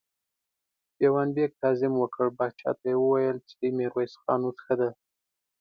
دېوان بېګ تعظيم وکړ، پاچا ته يې وويل چې ميرويس خان اوس ښه دی.